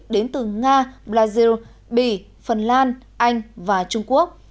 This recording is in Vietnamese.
đến từ nga brazil bỉ phần lan anh và trung quốc